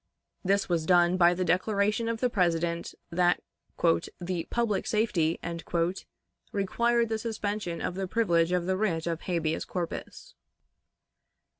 This was done by the declaration of the President that "the public safety" required the suspension of the privilege of the writ of habeas corpus.